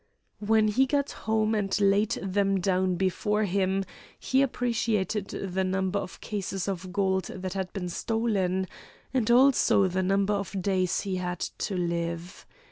When he got home and laid them down before him he appreciated the number of cases of gold that had been stolen, and also the number of days he had to live.